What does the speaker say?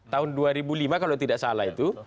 tahun dua ribu lima kalau tidak salah itu